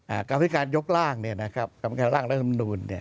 อ่ากราภิการยกร่างเนี่ยนะครับกรรมการร่างและคำนวณเนี่ย